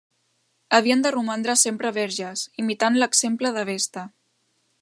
Havien de romandre sempre verges, imitant l'exemple de Vesta.